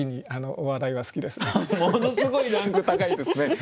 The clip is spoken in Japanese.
ものすごいランク高いですね。